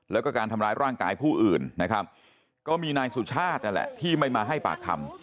แล้วก็การทำร้ายร่างกายผู้อื่นนะครับก็มีนายสุชาตินั่นแหละที่ไม่มาให้ปากคำ